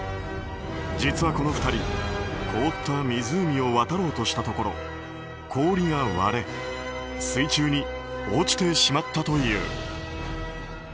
実は、この２人凍った湖を渡ろうとしたところ氷が割れ水中に落ちてしまったという。